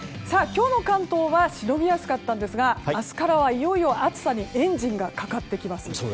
今日の関東はしのぎやすかったんですが明日からはいよいよ暑さにエンジンがかかってきます。